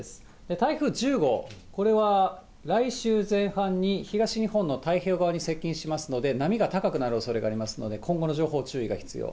台風１０号、これは来週前半に東日本の太平洋側に接近しますので、波が高くなるおそれがありますので、今後の情報、注意が必要。